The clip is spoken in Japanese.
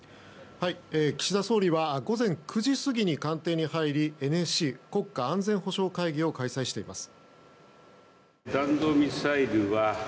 岸田総理は午前９時過ぎに官邸に入りＮＳＣ・国家安全保障会議を開催しています。